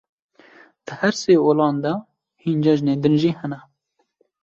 Di her sê olan de hin cejnên din jî hene.